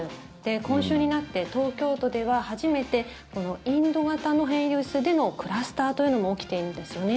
今週になって東京都では初めてインド型の変異ウイルスでのクラスターというのも起きているんですよね。